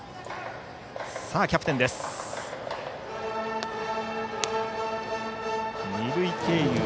キャプテンの横井です。